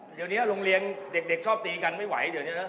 เดี๋ยวนี้โรงเรียนเด็กชอบตีกันไม่ไหวเดี๋ยวนี้นะ